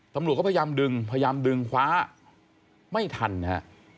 ตำรวจก็พยายามดึงพยายามดึงคว้าไม่ทันฮะ